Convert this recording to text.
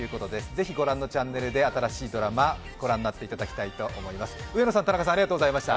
ぜひ御覧のチャンネルで新しいドラマ御覧になっていただきたいと思います。